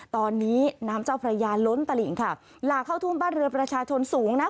ตอนนี้น้ำเจ้าพระยาล้นตลิ่งค่ะหลากเข้าท่วมบ้านเรือประชาชนสูงนะ